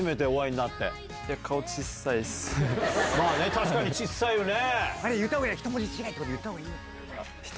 確かにちっさいよね！